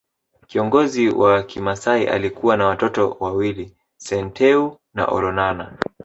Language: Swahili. Kiongozi wa kimasai alikuwa na watoto wawili Senteu na Olonana